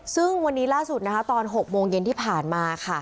ซึ่งวันนี้ล่าสุดนะคะตอน๖โมงเย็นที่ผ่านมาค่ะ